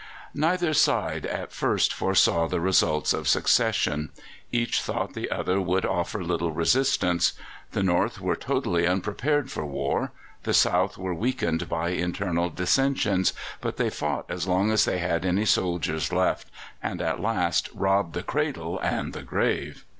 Neither side at first foresaw the results of secession. Each thought the other would offer little resistance. The North were totally unprepared for war; the South were weakened by internal dissensions, but they fought as long as they had any soldiers left, and at last "robbed the cradle and the grave."